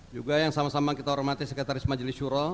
juga yang sama sama kita hormati sekretaris majelis juro